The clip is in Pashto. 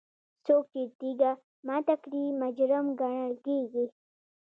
څوک چې تیږه ماته کړي مجرم ګڼل کیږي.